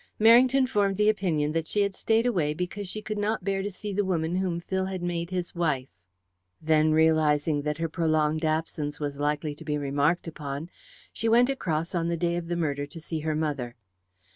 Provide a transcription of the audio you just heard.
Merrington formed the opinion that she had stayed away because she could not bear to see the woman whom Phil had made his wife. Then, realizing that her prolonged absence was likely to be remarked upon, she went across on the day of the murder to see her mother.